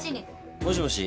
もしもし？